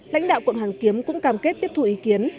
lãnh đạo quận hoàn kiếm cũng cam kết tiếp thu ý kiến